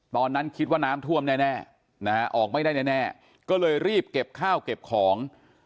ตอนนั้นคิดว่าน้ำท่วมแน่นะฮะออกไม่ได้แน่ก็เลยรีบเก็บข้าวเก็บของ